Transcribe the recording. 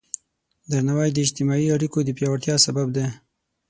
درناوی د اجتماعي اړیکو د پیاوړتیا سبب دی.